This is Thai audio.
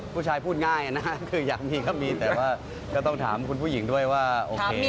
ผู้ชายพูดง่ายนะคืออยากมีก็มีแต่ว่าก็ต้องถามคุณผู้หญิงด้วยว่าโอเค